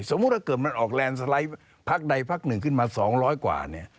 ถ้าเกิดมันออกแลนด์สไลด์พักใดพักหนึ่งขึ้นมา๒๐๐กว่าเนี่ย